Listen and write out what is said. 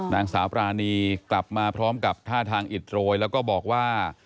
นางสาวปรานีกลับมาพร้อมกับท่าทางอิดโรยแล้วก็บอกว่า